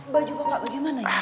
baju bapak bagaimana ya